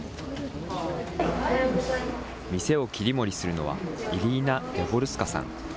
店を切り盛りするのは、イリーナ・ヤボルスカさん。